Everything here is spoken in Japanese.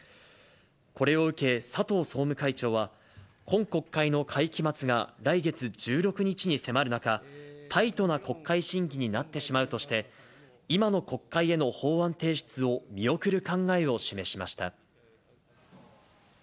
これを受け、佐藤総務会長は、今国会の会期末が来月１６日に迫る中、タイトな国会審議になってしまうとして、今の国会への法案提出を見送る考えを示しました。